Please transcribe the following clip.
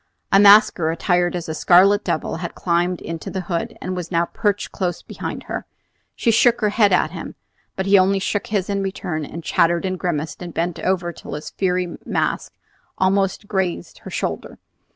A masker attired as a scarlet devil had climbed into the hood, and was now perched close behind her. She shook her head at him; but he only shook his in return, and chattered and grimaced, and bent over till his fiery mask almost grazed her shoulder.